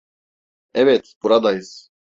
Evet, buradayız.